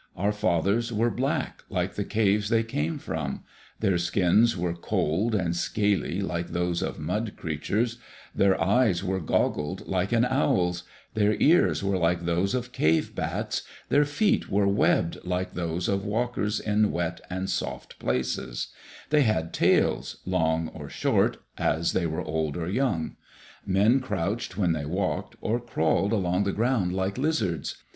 Our fathers were black, like the caves they came from; their skins were cold and scaly like those of mud creatures; their eyes were goggled like an owl's; their ears were like those of cave bats; their feet were webbed like those of walkers in wet and soft places; they had tails, long or short, as they were old or young. Men crouched when they walked, or crawled along the ground like lizards.